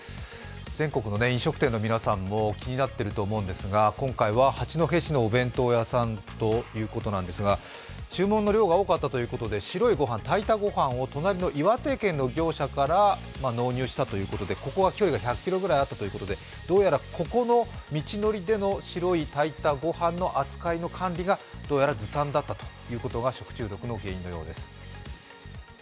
全国の飲食店の皆さんも気になっていると思うんですが、今回は八戸市のお弁当屋さんということですが注文の量が多かったということでご飯を隣の岩手県の業者から納入したということで、ここは距離が１００ｋｍぐらいあったということで、どうやらここの道のりでの白い炊いたごはんの扱いというのがずさんだったというのが食中毒の原因のようです。